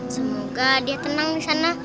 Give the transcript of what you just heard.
semoga dia tenang disana